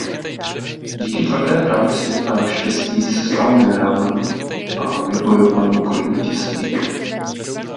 Díky tvrdé práci a štěstí se stal generálem a vybojoval několik vítězství.